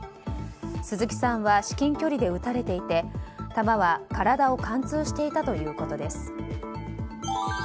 鈴木さんは至近距離で撃たれていて弾は体を貫通していたということです。